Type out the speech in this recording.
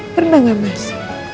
pernah gak mas